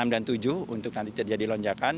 empat lima enam dan tujuh untuk nanti terjadi lonjakan